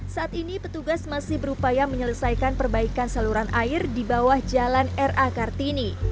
saat ini petugas masih berupaya menyelesaikan perbaikan saluran air di bawah jalan r a kartini